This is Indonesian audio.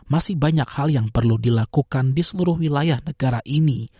masih banyak hal yang perlu dilakukan di seluruh wilayah negara ini